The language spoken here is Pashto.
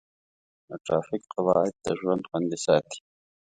د ټرافیک قواعد د ژوند خوندي ساتي.